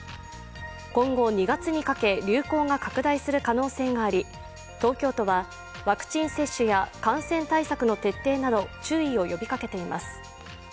今後、２月にかけ流行が拡大する可能性があり東京都はワクチン接種や感染対策の徹底など注意を呼びかけています。